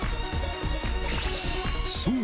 そう！